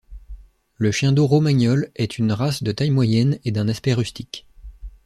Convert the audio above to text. Le chien d'eau romagnol est une race de taille moyenne et d’un aspect rustique.